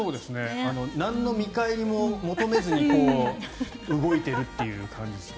なんの見返りも求めずに動いているという感じですね。